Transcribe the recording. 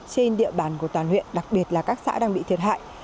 trên địa bàn của toàn huyện đặc biệt là các xã đang bị thiệt hại